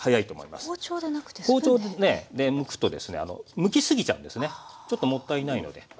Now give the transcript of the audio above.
包丁でねむくとですねむきすぎちゃうんですねちょっともったいないので。